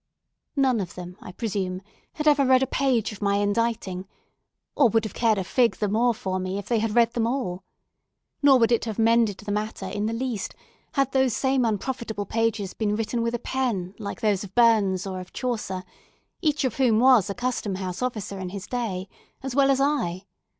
None of them, I presume, had ever read a page of my inditing, or would have cared a fig the more for me if they had read them all; nor would it have mended the matter, in the least, had those same unprofitable pages been written with a pen like that of Burns or of Chaucer, each of whom was a Custom House officer in his day, as well as I.